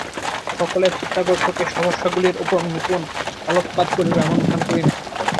সকলের চিত্তাকর্ষক এই সমস্যাগুলির উপর নূতন আলোকপাত করিব, এমন ভান করি না।